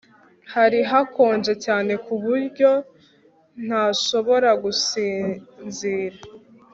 hari hakonje cyane kuburyo ntashobora gusinzira